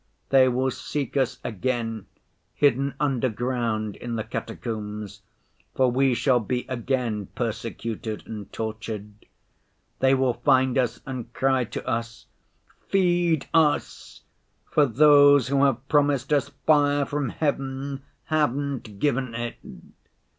They will seek us again, hidden underground in the catacombs, for we shall be again persecuted and tortured. They will find us and cry to us, "Feed us, for those who have promised us fire from heaven haven't given it!"